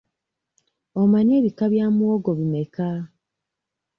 Omanyi ebika bya muwogo bimeka?